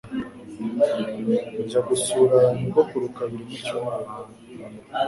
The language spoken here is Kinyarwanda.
Njya gusura nyogokuru kabiri mu cyumweru.